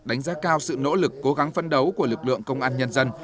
đánh giá cao sự nỗ lực cố gắng phân đấu của lực lượng công an nhân dân